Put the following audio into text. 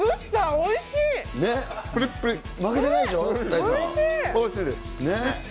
おいしいです。